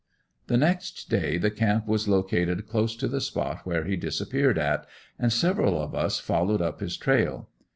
The next day the camp was located close to the spot where he disappeared at, and several of us followed up his trail.